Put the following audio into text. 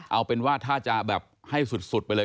เอาเป็นว่าถ้าจะแบบให้สุดไปเลย